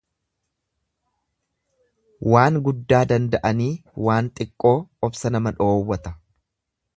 Waan guddaa danda'anii waan xiqqoo obsa nama dhoowwata.